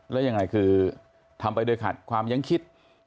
แล้วยังไงคือทำไปโดยขัดความยังคิด